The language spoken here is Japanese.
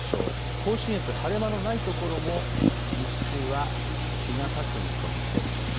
甲信越、晴れ間のない所も、日中は日がさす見込みです。